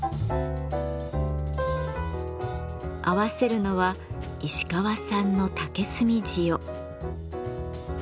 合わせるのは石川産の竹炭塩。